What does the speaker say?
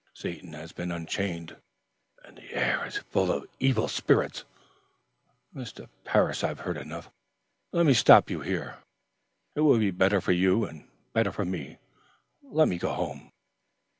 Satan has been unchained, and the air is full of evil spirits." "Mr. Parris, I have heard enough. Let me stop you here. It will be better for you and better for me. Let me go home."